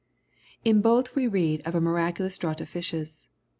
In both we read of a mirac ulous draught of fishes.